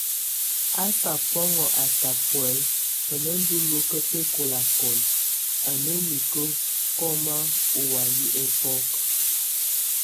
A sá bɔŋ ata buɛl a nenduluek bekolakol, a námike koma o way ebok.